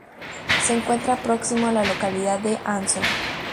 Se encuentra próximo a la localidad de Ansó.